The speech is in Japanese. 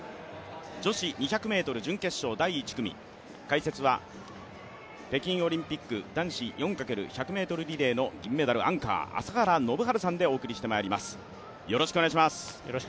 女子２００ｍ、第１組解説は北京オリンピック男子４×１００ｍリレーの銀メダルアンカー、朝原宣治さんでお送りしています。